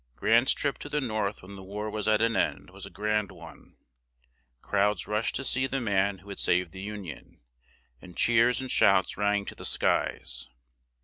Grant's trip to the North when the war was at an end was a grand one; crowds rushed to see the man who had saved the Union, and cheers and shouts rang to the skies.